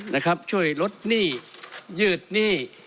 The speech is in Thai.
นะครับช่วยลดหนี้ยืดหนี้